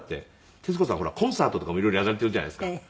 徹子さんほらコンサートとかも色々やられているじゃないですか。